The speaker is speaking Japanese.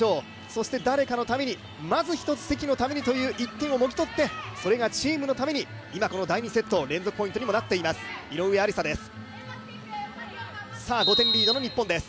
そして誰かのために、まず一つ関のためにという１点をもぎ取ってそれがチームのために今、この第２セット連続ポイントにもなっています、井上愛里沙です。